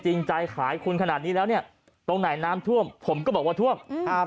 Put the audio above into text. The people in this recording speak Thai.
จริงใจขายคุณขนาดนี้แล้วเนี่ยตรงไหนน้ำท่วมผมก็บอกว่าท่วมอืมอ่า